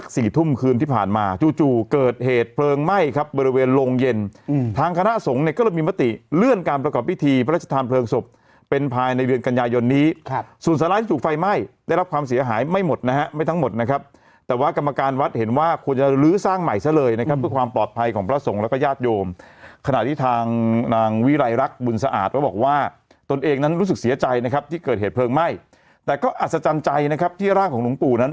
ศาลาที่จุกไฟไหม้ได้รับความเสียหายไม่หมดนะฮะไม่ทั้งหมดนะครับแต่ว่ากรรมการวัดเห็นว่าควรจะลื้อสร้างใหม่ซะเลยนะครับเพื่อความปลอดภัยของพระทรงและก็ญาติโยมขณะที่ทางนางวิรัยรักษ์บุญสะอาดเขาบอกว่าตนเองนั้นรู้สึกเสียใจนะครับที่เกิดเหตุเพลิงไหม้แต่ก็อัศจรรย์ใจนะครับที่ร่างของหล